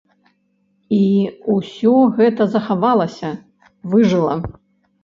І усё гэта захавалася, выжыла.